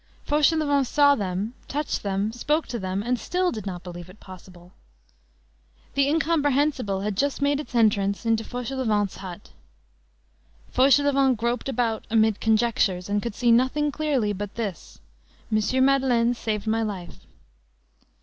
Fauchelevent saw them, touched them, spoke to them, and still did not believe it possible. The incomprehensible had just made its entrance into Fauchelevent's hut. Fauchelevent groped about amid conjectures, and could see nothing clearly but this: "M. Madeleine saved my life."